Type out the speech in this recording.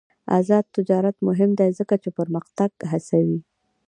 آزاد تجارت مهم دی ځکه چې پرمختګ هڅوي.